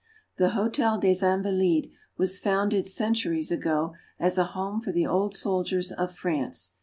The Hotel des Invalides was founded centuries ago as a home for the old soldiers of France.